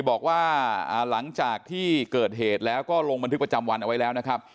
บอกว่าหลังจากที่เกิดเหตุแล้วก็ลงบันทึกประจำวันเอาไว้แล้วนะครับ